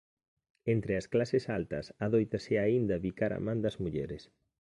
Entre as clases altas adóitase aínda bicar a man das mulleres.